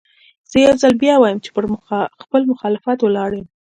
زه يو ځل بيا وايم چې پر خپل مخالفت ولاړ يم.